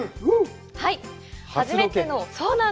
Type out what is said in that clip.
はい。